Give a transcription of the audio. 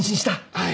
はい。